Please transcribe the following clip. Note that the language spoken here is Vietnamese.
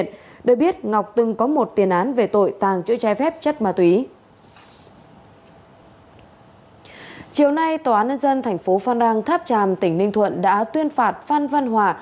ngay tòa án nhân dân tp phan rang tháp tràm tỉnh ninh thuận đã tuyên phạt phan văn hòa